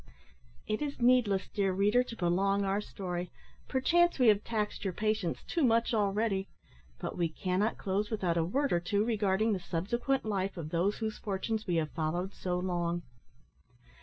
It is needless, dear reader, to prolong our story. Perchance we have taxed your patience too much already but we cannot close without a word or two regarding the subsequent life of those whose fortunes we have followed so long.